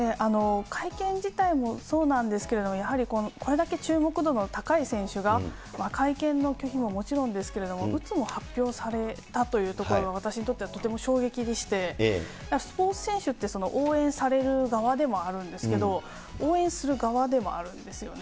会見自体もそうなんですけれども、やはりこれだけ注目度の高い選手が会見の拒否ももちろんですけれども、うつを発表されたというところ、私にとってはとても衝撃でして、スポーツ選手って応援される側でもあるんですけど、応援する側でもあるんですよね。